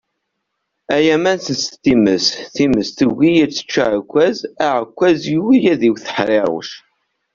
Ay aman senset times, times tugi ad tečč aɛekkaz, aɛekkaz yugi ad iwwet Tehriruc.